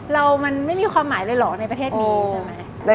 เรามันไม่มีความหมายเลยหรอกในประเทศนี้